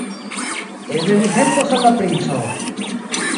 Eble, li helpos al la princo!